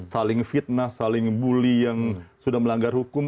saling fitnah saling bully yang sudah melanggar hukum